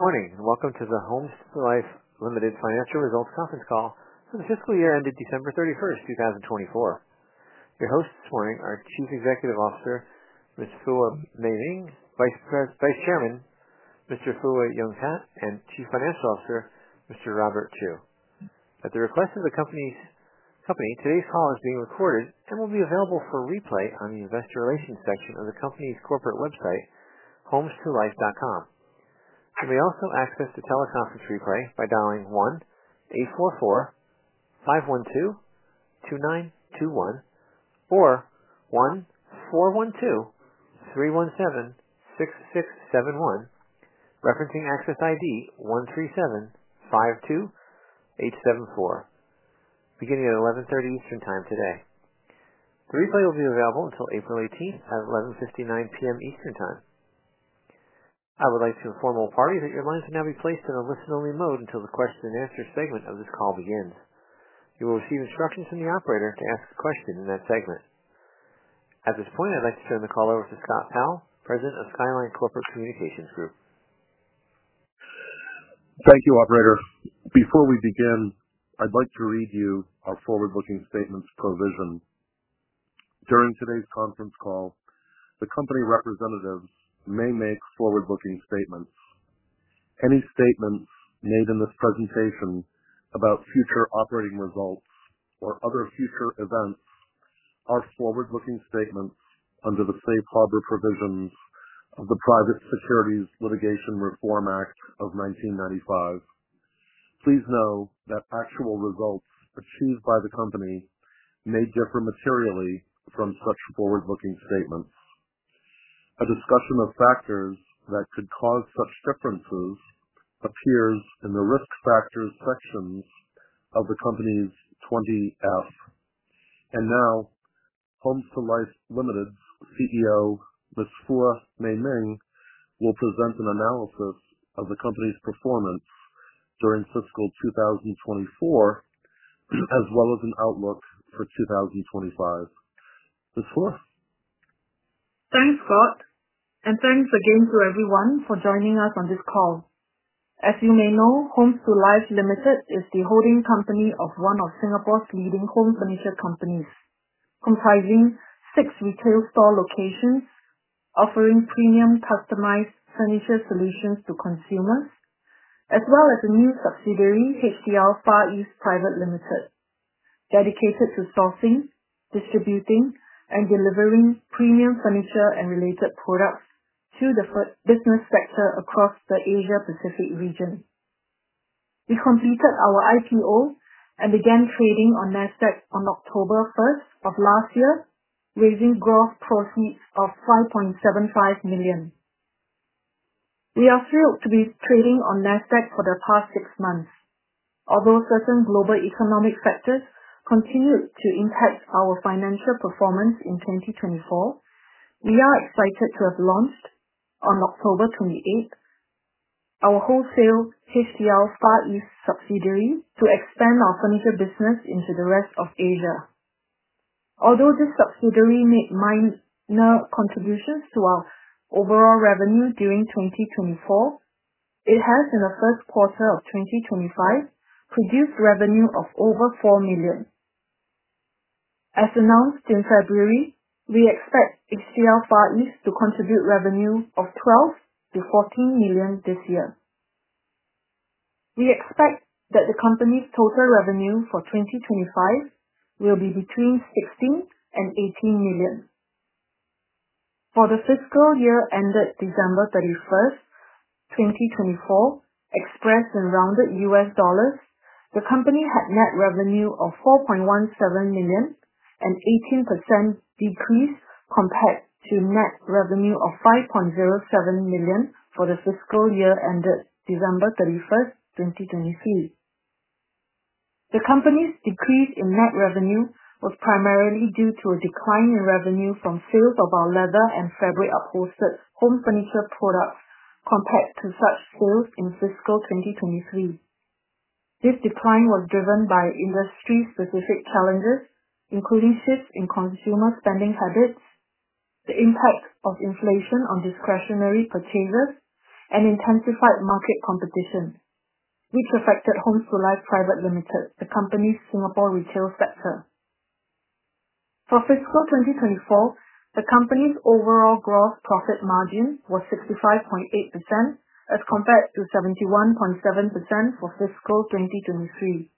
Good morning and welcome to the HomesToLife Limited Financial Results Conference call. The fiscal year ended December 31, 2024. Your hosts this morning are Chief Executive Officer Ms. Phua Mei Ming, Vice Chairman Mr. Phua Yong Tat, and Chief Financial Officer Mr. Robert Chew. At the request of the company, today's call is being recorded and will be available for replay on the investor relations section of the company's corporate website, homestolife.com. You may also access the teleconference replay by dialing 1-844-512-2921 or 1-412-317-6671, referencing access ID 13752874, beginning at 11:30 A.M. Eastern Time today. The replay will be available until April 18th at 11:59 P.M. Eastern Time. I would like to inform all parties that your lines will now be placed in a listen-only mode until the Q&A segment of this call begins. You will receive instructions from the operator to ask a question in that segment. At this point, I'd like to turn the call over to Scott Powell, President of Skyline Corporate Communications Group. Thank you, Operator. Before we begin, I'd like to read you our forward-looking statements provision. During today's conference call, the company representatives may make forward-looking statements. Any statements made in this presentation about future operating results or other future events are forward-looking statements under the safe harbor provisions of the Private Securities Litigation Reform Act of 1995. Please know that actual results achieved by the company may differ materially from such forward-looking statements. A discussion of factors that could cause such differences appears in the Risk Factors sections of the company's 20-F. Now, HomesToLife Limited's CEO, Ms. Phua Mei Ming, will present an analysis of the company's performance during fiscal 2024, as well as an outlook for 2025. Ms. Phua? Thanks, Scott. Thanks again to everyone for joining us on this call. As you may know, HomesToLife Limited is the holding company of one of Singapore's leading home furniture companies, comprising six retail store locations offering premium customized furniture solutions to consumers, as well as a new subsidiary, HTL Far East Private Limited, dedicated to sourcing, distributing, and delivering premium furniture and related products to the business sector across the Asia-Pacific region. We completed our IPO and began trading on NASDAQ on October 1st of last year, raising gross proceeds of $5.75 million. We are thrilled to be trading on NASDAQ for the past six months. Although certain global economic factors continued to impact our financial performance in 2024, we are excited to have launched on October 28 our wholesale HTL Far East subsidiary to expand our furniture business into the rest of Asia. Although this subsidiary made minor contributions to our overall revenue during 2024, it has in the first quarter of 2025 produced revenue of over $4 million. As announced in February, we expect HTL Far East to contribute revenue of $12 million-$14 million this year. We expect that the company's total revenue for 2025 will be between $16 million and $18 million. For the fiscal year ended December 31, 2024, expressed in rounded US dollars, the company had net revenue of $4.17 million, an 18% decrease compared to net revenue of $5.07 million for the fiscal year ended December 31, 2023. The company's decrease in net revenue was primarily due to a decline in revenue from sales of our leather and fabric upholstered home furniture products compared to such sales in fiscal 2023. This decline was driven by industry-specific challenges, including shifts in consumer spending habits, the impact of inflation on discretionary purchasers, and intensified market competition, which affected HomesToLife Private Limited, the company's Singapore retail sector. For fiscal 2024, the company's overall gross profit margin was 65.8% as compared to 71.7% for fiscal 2023,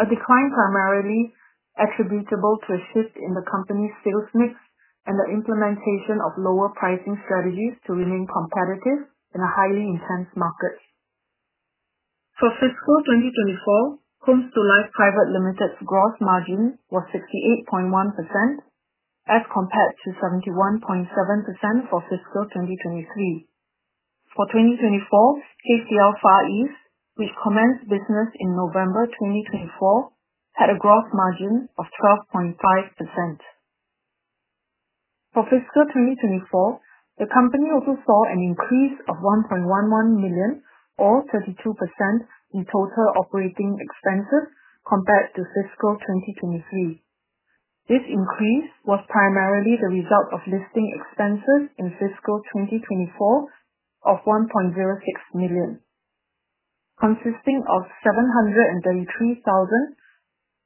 a decline primarily attributable to a shift in the company's sales mix and the implementation of lower pricing strategies to remain competitive in a highly intense market. For fiscal 2024, HomesToLife Private Limited's gross margin was 68.1% as compared to 71.7% for fiscal 2023. For 2024, HTL Far East, which commenced business in November 2024, had a gross margin of 12.5%. For fiscal 2024, the company also saw an increase of $1.11 million, or 32%, in total operating expenses compared to fiscal 2023. This increase was primarily the result of listing expenses in fiscal 2024 of $1.06 million, consisting of $733,000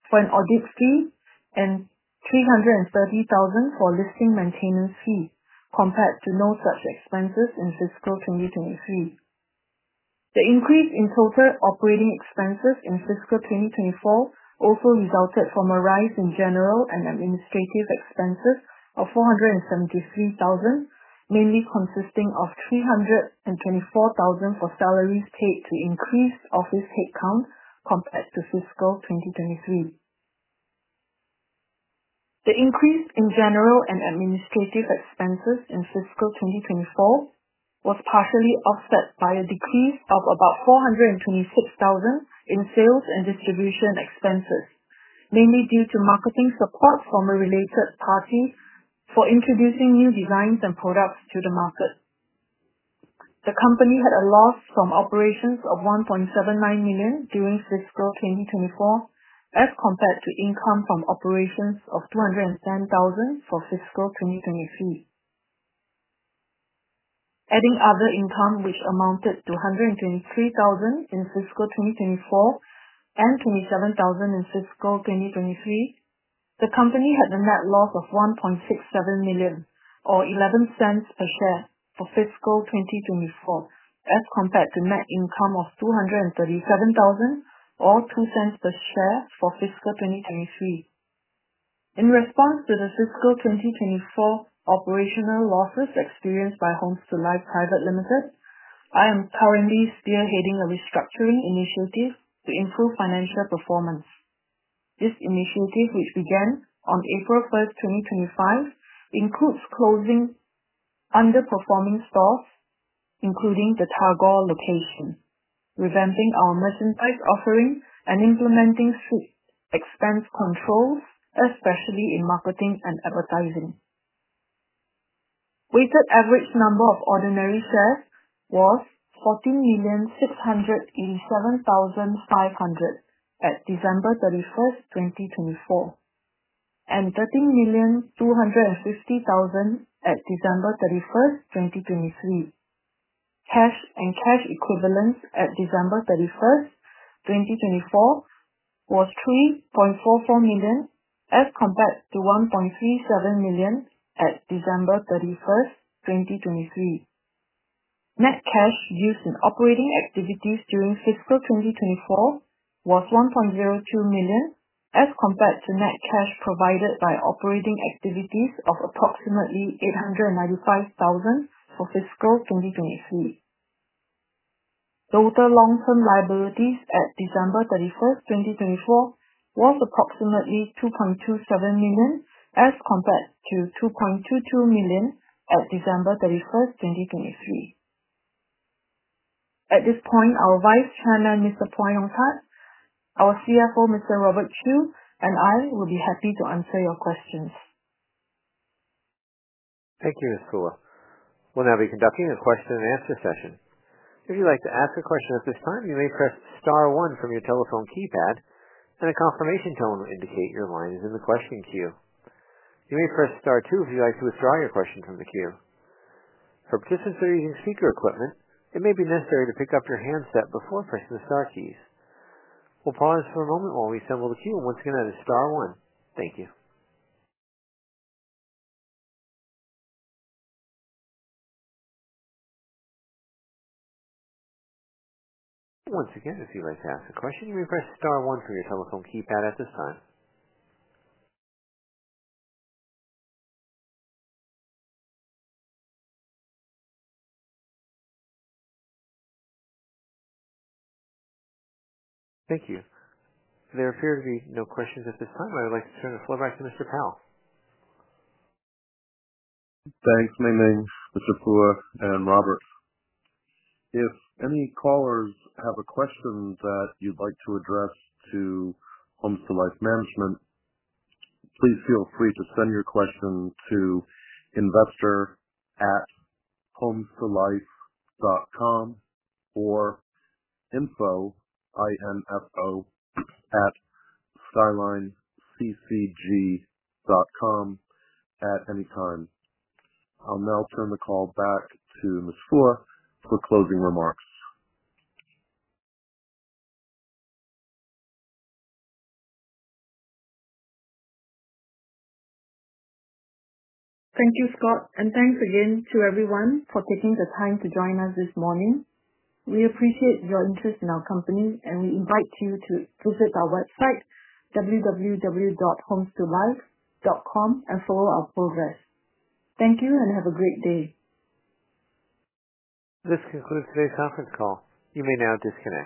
for an audit fee and $330,000 for a listing maintenance fee, compared to no such expenses in fiscal 2023. The increase in total operating expenses in fiscal 2024 also resulted from a rise in general and administrative expenses of $473,000, mainly consisting of $324,000 for salaries paid to increased office headcount compared to fiscal 2023. The increase in general and administrative expenses in fiscal 2024 was partially offset by a decrease of about $426,000 in sales and distribution expenses, mainly due to marketing support from a related party for introducing new designs and products to the market. The company had a loss from operations of $1.79 million during fiscal 2024 as compared to income from operations of $210,000 for fiscal 2023. Adding other income, which amounted to $123,000 in fiscal 2024 and $27,000 in fiscal 2023, the company had a net loss of $1.67 million, or $0.11 per share for fiscal 2024, as compared to net income of $237,000, or $0.02 per share for fiscal 2023. In response to the fiscal 2024 operational losses experienced by HomesToLife Private Limited, I am currently spearheading a restructuring initiative to improve financial performance. This initiative, which began on April 1st, 2025, includes closing underperforming stores, including the Tagore location, revamping our merchandise offering, and implementing strict expense controls, especially in marketing and advertising. Weighted average number of ordinary shares was 14,687,500 at December 31st, 2024, and 13,250,000 at December 31st, 2023. Cash and cash equivalents at December 31st, 2024, was $3.44 million as compared to $1.37 million at December 31st, 2023. Net cash used in operating activities during fiscal 2024 was $1.02 million as compared to net cash provided by operating activities of approximately $895,000 for fiscal 2023. Total long-term liabilities at December 31, 2024, was approximately $2.27 million as compared to $2.22 million at December 31, 2023. At this point, our Vice Chairman, Mr. Phua Yong Tat, our CFO, Mr. Robert Chew, and I will be happy to answer your questions. Thank you, Ms. Phua. We'll now be conducting a question-and-answer session. If you'd like to ask a question at this time, you may press star one from your telephone keypad, and a confirmation tone will indicate your line is in the question queue. You may press star two if you'd like to withdraw your question from the queue. For participants that are using speaker equipment, it may be necessary to pick up your handset before pressing the star keys. We'll pause for a moment while we assemble the queue, and once again, that is star one. Thank you. Once again, if you'd like to ask a question, you may press star 1 from your telephone keypad at this time. Thank you. There appear to be no questions at this time. I would like to turn the floor back to Mr. Powell. Thanks, Mei Ming, Mr. Phua, and Robert. If any callers have a question that you'd like to address to HomesToLife Management, please feel free to send your question to investor@homestolife.com or info@skylineccg.com at any time. I'll now turn the call back to Ms. Phua for closing remarks. Thank you, Scott, and thanks again to everyone for taking the time to join us this morning. We appreciate your interest in our company, and we invite you to visit our website, www.homestolife.com, and follow our progress. Thank you and have a great day. This concludes today's conference call. You may now disconnect.